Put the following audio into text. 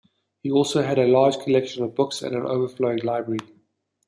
He also had a large collection of books and an overflowing library.